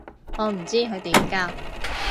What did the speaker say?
我唔知佢點教